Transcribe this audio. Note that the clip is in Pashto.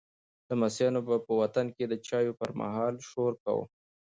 لمسیانو به په وطن کې د چایو پر مهال شور کاوه.